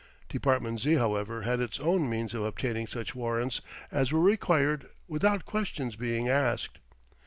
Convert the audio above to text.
Department Z., however, had its own means of obtaining such warrants as were required without questions being asked.